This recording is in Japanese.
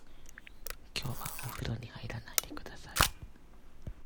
きょうはおふろに入らないでください。